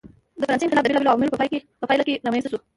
د فرانسې انقلاب د بېلابېلو عواملو په پایله کې رامنځته شو.